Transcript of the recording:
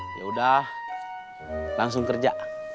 yaudah langsung kerja